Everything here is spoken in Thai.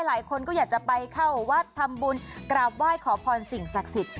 หลายคนก็อยากจะไปเข้าวัดทำบุญกราบไหว้ขอพรสิ่งศักดิ์สิทธิ